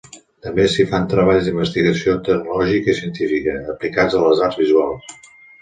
També s'hi fan treballs d'investigació tecnològica i científica, aplicats a les arts visuals.